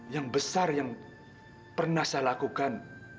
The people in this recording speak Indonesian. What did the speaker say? yang besar yang pernah saya lakukan